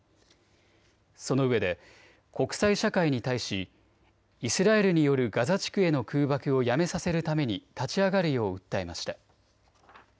そのうえで国際社会に対しイスラエルによるガザ地区への空爆をやめさせるために立ち上がるよう訴えました。